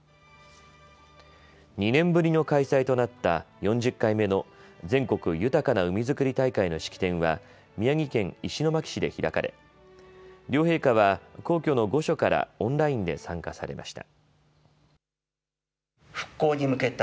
２年ぶりの開催となった４０回目の全国豊かな海づくり大会の式典は宮城県石巻市で開かれ、両陛下は皇居の御所からオンラインで参加されました。